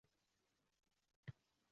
Sog‘intiradigan mo‘jiza shahar